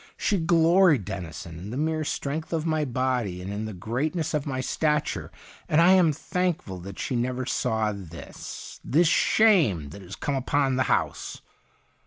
She gloried, Dennison, in the mere strength of my body, and in the greatness of my stature. And I am thankful that she never saw this — this shame that has come upon the house.